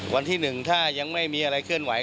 วันที่๑ถ้ายังไม่มีอะไรเคลื่อนไห